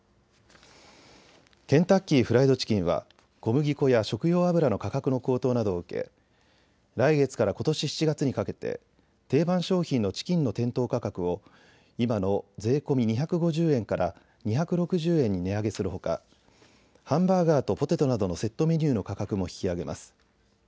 ケンタッキーフライドチキンは小麦粉や食用油の価格の高騰などを受け来月からことし７月にかけて定番商品のチキンの店頭価格を今の税込み２５０円から２６０円に値上げするほかハンバーガーとポテトなどのセットメニューの価格も引き上げます。